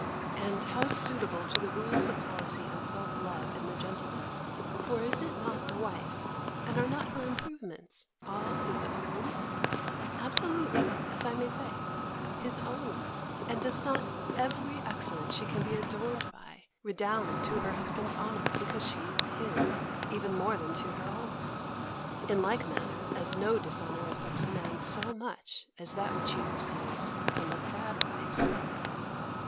And how suitable to the rules of policy and self love in the gentleman; for is not the wife, and are not her improvements, all his own? Absolutely, as I may say, his own? And does not every excellence she can be adorned by, redound to her husband's honour because she is his, even more than to her own! In like manner as no dishonour affects a man so much, as that which he receives from a bad wife.